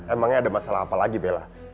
emangnya ada masalah apa lagi bella